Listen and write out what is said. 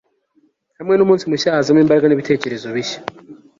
hamwe n'umunsi mushya hazamo imbaraga n'ibitekerezo bishya